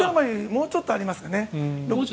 もうちょっとありますけどね。